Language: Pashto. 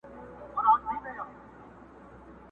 ماتول یې ښکلي لوښي او چاینکي،